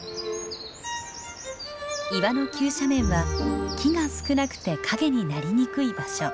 岩の急斜面は木が少なくて陰になりにくい場所。